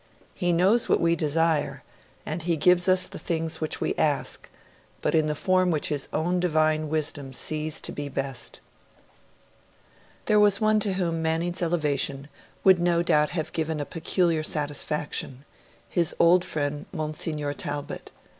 He knows what we desire, and He gives us the things for which we ask; but in the form which His own Divine Wisdom sees to be best.' There was one to whom Manning's elevation would no doubt have given a peculiar satisfaction his old friend Monsignor Talbot.